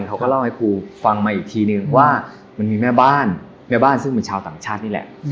เขาก็เล่าให้ครูฟังมาอีกทีนึงว่ามันมีแม่บ้านแม่บ้านซึ่งเป็นชาวต่างชาตินี่แหละ